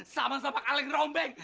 sama sama kaleng rombeng